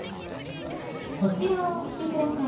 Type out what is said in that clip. こちらをお聴きください